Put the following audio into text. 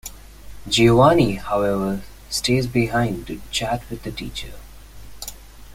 Giovanni, however, stays behind to chat with the teacher.